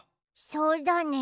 そうだね。